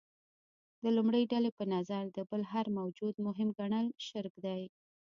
د لومړۍ ډلې په نظر د بل هر موجود مهم ګڼل شرک دی.